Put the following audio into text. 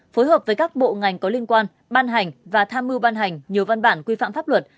phối hợp với các bộ ngành có liên quan ban hành và tham mưu ban hành nhiều văn bản quy phạm pháp luật